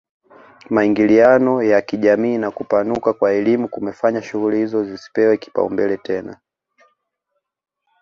Maingiliano ya kijamii na kupanuka kwa elimu kumefanya shughuli hizo zisipewe kipaumbele tena